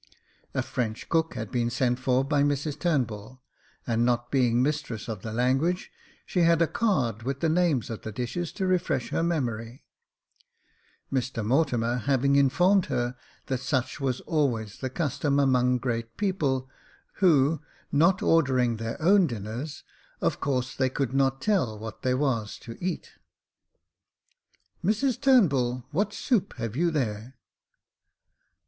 A French cook had been sent for by Mrs Turnbull ; and not being mistress of the language, she had a card with the names of the dishes to refresh her memory, Mr Mortimer having informed her that such was always the custom among great people, who, not ordering their own dinners, of course they could not tell what there was to eat. " Mrs Turnbull, what soup have you there